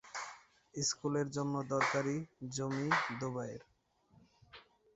স্কুলের জন্য দরকারী জমি দুবায়ের।